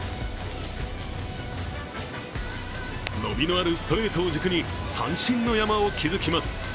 伸びのあるストレートを軸に三振の山を築きます。